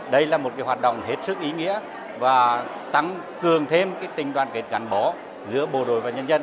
đây là một hoạt động hết sức ý nghĩa và tăng cường thêm tình đoàn kết gắn bó giữa bộ đội và nhân dân